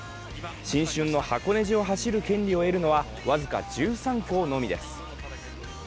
新春の箱根路を走る権利を得るのは僅か１３校のみです。